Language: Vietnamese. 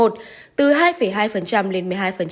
từ hai hai lên một mươi hai